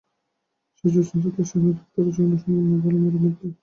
সেই জ্যোৎস্নারাত্রে, সেই নদীর ধারে, জনশূন্য বালুমরুর মধ্যে?